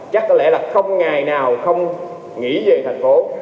chắc có lẽ là không ngày nào không nghĩ về thành phố